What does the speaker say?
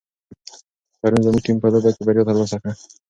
پرون زموږ ټیم په لوبه کې بریا ترلاسه کړه.